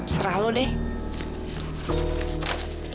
serah lu deh